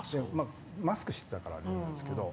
マスクしてたからあれですけど。